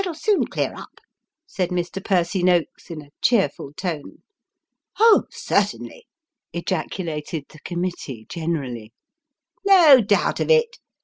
303 " It'll soon clear up," said Mr. Percy Noakes, in a cheerful tone. " Oh, certainly !" ejaculated the committee generally. " No doubt of it